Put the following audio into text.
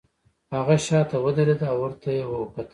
هغه شاته ودریده او ورته یې وکتل